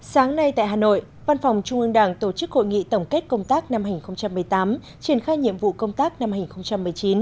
sáng nay tại hà nội văn phòng trung ương đảng tổ chức hội nghị tổng kết công tác năm hai nghìn một mươi tám triển khai nhiệm vụ công tác năm hai nghìn một mươi chín